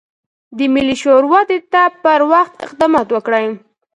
د ملي شعور ودې ته پر وخت اقدامات وکړي.